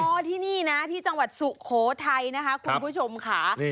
ที่นี่นะที่จังหวัดสุโขทัยนะคะคุณผู้ชมค่ะ